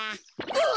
あ！